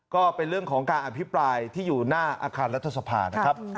ก็เป็นเรื่องของการอภิปรายที่อยู่หน้าอาคารรัฐสภานะครับ